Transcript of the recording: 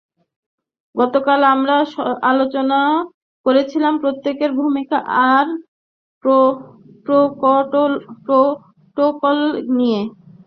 গতকাল আমরা আলোচনা করেছিলাম প্রত্যেকের ভূমিকা আর প্রোটোকল নিয়ে।